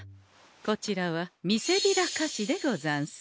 こちらはみせびら菓子でござんす。